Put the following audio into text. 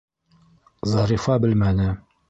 Зарифа белмәне.